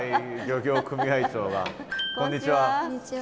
こんにちは。